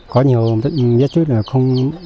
có nhiều giá trích là không